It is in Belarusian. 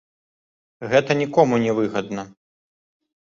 Гэта нікому не выгадна.